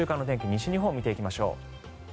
西日本を見ていきましょう。